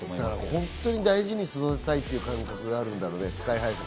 本当に大事に育てたいっていう感覚があるんだろうね。